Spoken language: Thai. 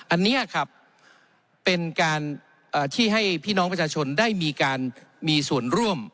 อันนี้ครับเป็นการที่ให้พี่น้องประชาชนได้มีการมีส่วนร่วม